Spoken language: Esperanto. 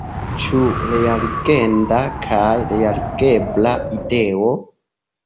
Ĉu realigenda kaj realigebla ideo?